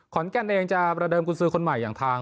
แกนเองจะประเดิมคุณซื้อคนใหม่อย่างทาง